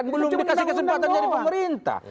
belum dikasih kesempatan jadi pemerintah